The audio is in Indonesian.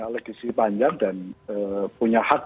legisi panjang dan punya hak